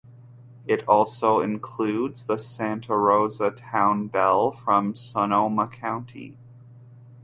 It also includes the Santa Rosa town bell from Sonoma County.